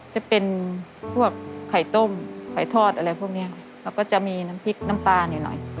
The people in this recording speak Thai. จะเป็นพวกไข่ต้มไข่ทอดอะไรพวกนี้แล้วก็จะมีน้ำพริกน้ำปลาเนี่ยหน่อย